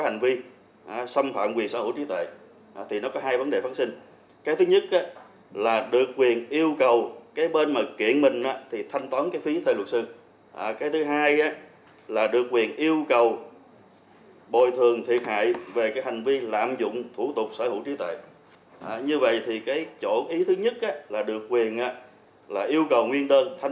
như vậy thì cái chỗ ý thứ nhất là được quyền là yêu cầu nguyên đơn thanh toán cái phí thuê luật sư